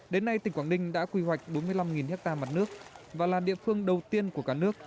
đến nay tỉnh quảng ninh đã quy hoạch bốn mươi năm ha mặt nước và là địa phương đầu tiên của cả nước